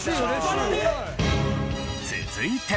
続いて。